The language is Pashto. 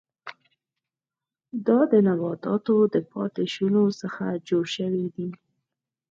دا د نباتاتو د پاتې شونو څخه جوړ شوي دي.